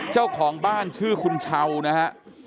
เจ้าของบ้านชื่อคุณเช้านะฮะ